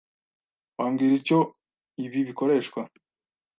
Wambwira icyo ibi bikoreshwa?